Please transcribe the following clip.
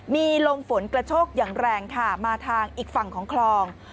มีลมฝนกระโชกอย่างแรงค่ะมาทางอีกฝั่งของคลอง